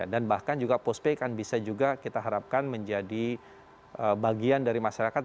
dan bahkan juga postpay akan bisa juga kita harapkan menjadi bagian dari masyarakat